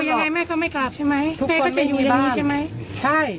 ยังไงแม่ก็ไม่กลับใช่ไหมแม่ก็จะอยู่อย่างนี้ใช่ไหมใช่